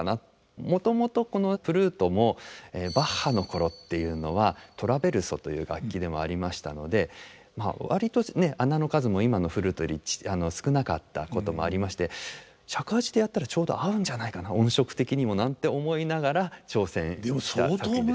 もともとこのフルートもバッハの頃っていうのはトラヴェルソという楽器でもありましたので割と孔の数も今のフルートより少なかったこともありまして尺八でやったらちょうど合うんじゃないかな音色的にもなんて思いながら挑戦した作品です。